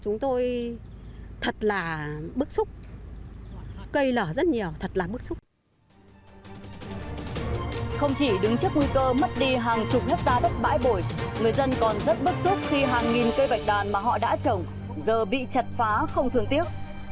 người dân còn rất bức xúc khi hàng nghìn cây vạch đàn mà họ đã trồng giờ bị chặt phá không thường tiếc